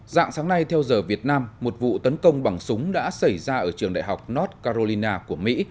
dạng sáng nay theo giờ việt nam một vụ tấn công bằng súng đã xảy ra ở trường đại học north carolina của mỹ